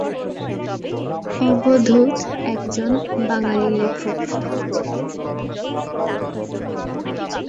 অবধূত একজন বাঙালি লেখক।